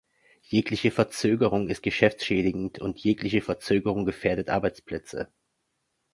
Jegliche Verzögerung ist geschäftsschädigend, und jegliche Verzögerung gefährdet Arbeitsplätze.